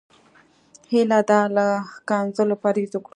هيله ده له ښکنځلو پرهېز وکړو.